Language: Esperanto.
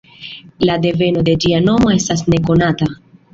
La deveno de ĝia nomo estas nekonata.